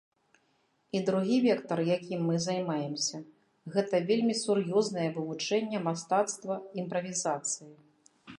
І другі вектар, якім мы займаемся,— гэта вельмі сур'ёзнае вывучэнне мастацтва імправізацыі.